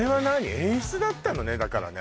演出だったのねだからね